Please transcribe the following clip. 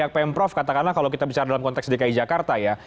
pemprov katakanlah kalau kita bicara dalam konteks dki jakarta ya